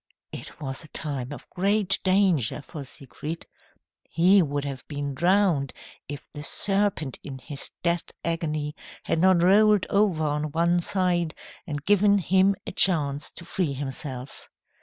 It was a time of great danger for Siegfried. He would have been drowned if the serpent in his death agony had not rolled over on one side and given him a chance to free himself.